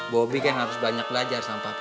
bobi kan harus banyak belajar sama papi